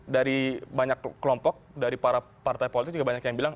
dari banyak kelompok dari para partai politik juga banyak yang bilang